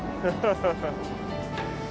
ハハハハッ。